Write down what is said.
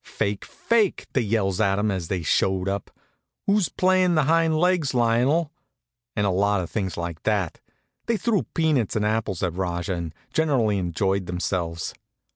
"Fake, fake!" they yells at 'em as they showed up. "Who's playing the hind legs, Lionel?" and a lot of things like that. They threw peanuts and apples at Rajah, and generally enjoyed themselves.